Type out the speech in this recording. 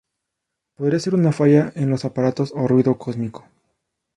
Podría ser una falla en los aparatos o ruido cósmico.